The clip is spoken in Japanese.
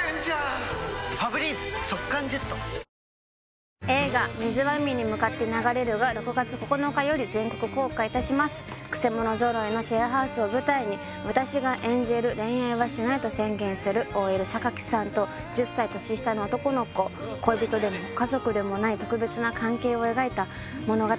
大興奮映画「水は海に向かって流れる」が６月９日より全国公開いたします曲者揃いのシェアハウスを舞台に私が演じる恋愛はしないと宣言するＯＬ榊さんと１０歳年下の男の子恋人でも家族でもない特別な関係を描いた物語です